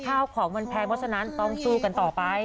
ข้าวของมันแพงเพราะฉะนั้นต้องสู้กันต่อไป